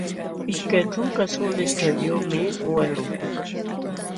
Ishkay ćhunka suulis ćhaniyuqmi uqa lunkukaq.